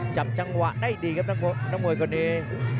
จับจังหวะได้ดีครับนักมวยคนนี้